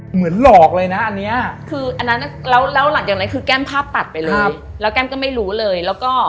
เหมือนหลอกเลยนะอันนี้คืออันนั้นแล้วหลังจากนั้นคือแก้มพาปัดไปเลยแล้วแก้มก็ไม่รู้เลยแล้วก็เหมือนแก้มมาคุยกับคุณแม่ประมาณนี้นะครับ